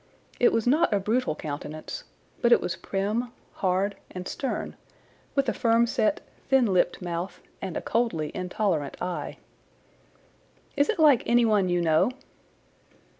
It was not a brutal countenance, but it was prim, hard, and stern, with a firm set, thin lipped mouth, and a coldly intolerant eye. "Is it like anyone you know?"